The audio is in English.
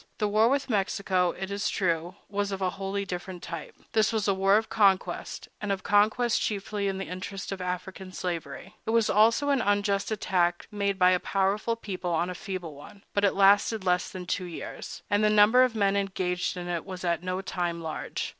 The war with Mexico, it is true, was of a wholly different type. That was a war of conquest, and of conquest chiefly in the interest of African slavery. It was also an unjust attack made by a powerful people on a feeble one; but it lasted less than two years, and the number of men engaged in it was at no time large.